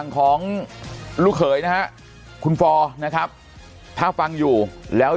ของลูกเขยนะฮะคุณฟอร์นะครับถ้าฟังอยู่แล้ว